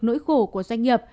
nỗi khổ của doanh nghiệp